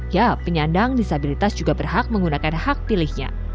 ya penyandang disabilitas juga berhak menggunakan hak pilihnya